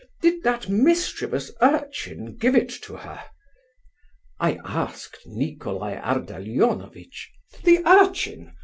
Did that mischievous urchin give it to her?" "I asked Nicolai Ardalionovitch..." "The urchin!